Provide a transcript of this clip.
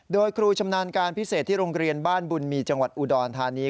โดยครูชำนาญการพิเศษที่โรงเรียนบ้านบุญมีจังหวัดอุดรธานี